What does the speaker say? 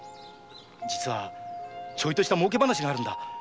実はちょいとした儲け話があるんだ。